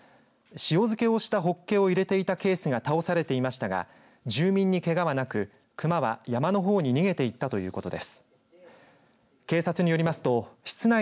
塩漬けをしたホッケを入れていたケースが倒されていましたが住民にけがはなくクマは山のほうに逃げていったということです。